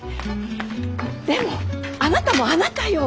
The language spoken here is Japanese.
でもあなたもあなたよ。